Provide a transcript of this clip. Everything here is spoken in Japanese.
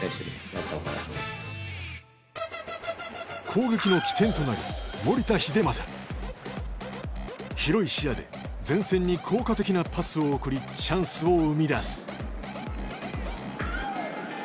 攻撃の起点となる広い視野で前線に効果的なパスを送りチャンスを生み出す。